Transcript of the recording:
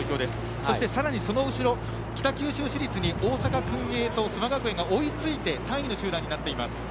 そしてさらにその後ろ北九州市立に大阪薫英と須磨学園が追いついて３位の集団になっています。